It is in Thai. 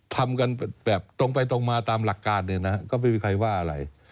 ทำกันแบบตรงไปตรงมาตามหลักการเนี่ยนะก็ไม่มีใครว่าอะไร